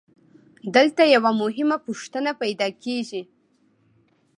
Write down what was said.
دلته یوه مهمه پوښتنه پیدا کېږي